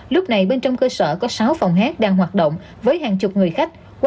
lúc này bên trong cơ sở có sáu phòng hát đang hoạt động với hàng chục người khách